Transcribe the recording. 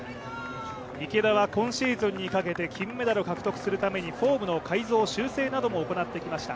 池田は今シーズンにかけて金メダル獲得するためにフォームの改造、修正などを行ってきました。